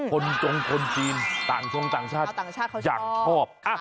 คนจงคนจีนต่างช่วงต่างชาติอยากชอบ